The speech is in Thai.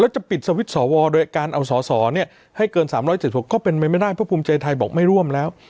แล้วจะปิดสวโดยการเอาสสเนี่ยให้เกิน๓๗๖ก็เป็นไม่ได้เพราะภูมิใจไทยบอกไม่ร่วมแล้ว